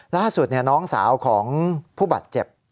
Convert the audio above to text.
ล่าสุดน้องสาวของผู้บาดเจ็บ